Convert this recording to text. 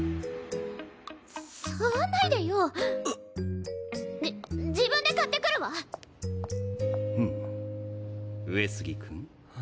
触んないでよじ自分で買ってくるわ上杉君